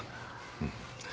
うん。